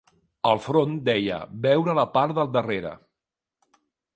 Al front deia, "veure la part del darrere".